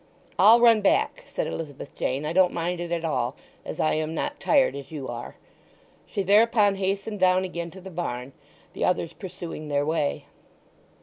"I'll run back," said Elizabeth Jane. "I don't mind it at all, as I am not tired as you are." She thereupon hastened down again to the barn, the others pursuing their way.